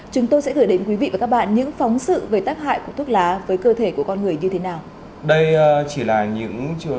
chúng tôi sẽ gửi đến quý vị và các bạn những phóng sự về tác hại của thuốc lá với cơ thể của con người như thế nào